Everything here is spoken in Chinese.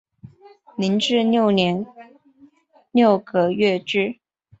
零至六个月之